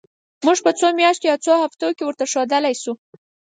موږ په څو میاشتو یا څو هفتو کې ورته ښودلای شو.